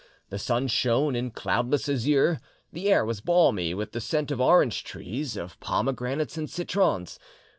The sun shone in cloudless azure, the air was balmy with the scent of orange trees, of pomegranates and citrons.